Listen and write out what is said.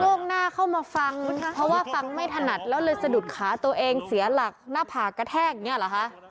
่งหน้าเข้ามาฟังเพราะว่าฟังไม่ถนัดแล้วเลยสะดุดขาตัวเองเสียหลักหน้าผากกระแทกอย่างนี้เหรอคะ